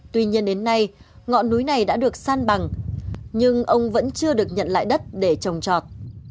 tuy nhiên đến nay ngọn núi này đã được san bằng nhưng ông vẫn chưa được nhận lại đất để trồng trọt